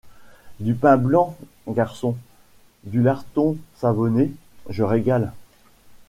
Du pain blanc, garçon! du larton savonné ! je régale.